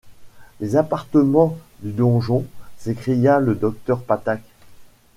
Les appartements du donjon! s’écria le docteur Patak.